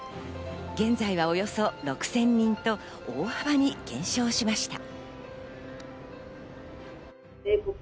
現在はおよそ６０００人と大幅に減少しました。